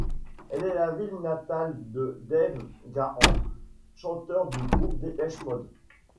Elle est la ville natale de Dave Gahan, chanteur du groupe Depeche Mode.